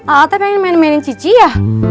alatnya pengen main mainin cici ya